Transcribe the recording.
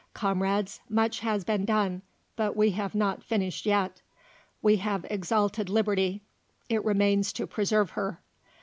Comrades, much has been done, but we have not finished yet. We have exalted Liberty; it remains to preserve her.